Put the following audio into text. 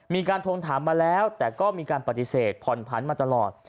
ทวงถามมาแล้วแต่ก็มีการปฏิเสธผ่อนผันมาตลอด